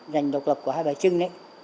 dành độc lập của hai bà trưng ấy